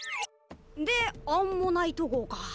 でアンモナイト号か。